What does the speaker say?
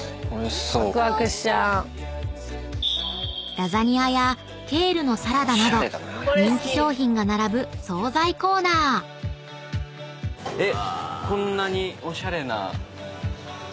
［ラザニアやケールのサラダなど人気商品が並ぶ惣菜コーナー］えっ！